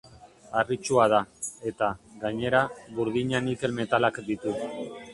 Harritsua da, eta, gainera, burdina-nikel metalak ditu.